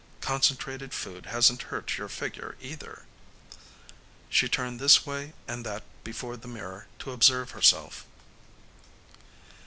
Concentrated food hasn't hurt your figure, either." She turned this way and that before the mirror to observe herself.